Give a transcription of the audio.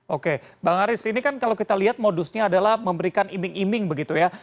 oke bang aris ini kan kalau kita lihat modusnya adalah memberikan iming iming begitu ya